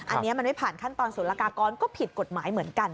อันนี้มันไม่ผ่านขั้นตอนศูนย์ละกากรก็ผิดกฎหมายเหมือนกัน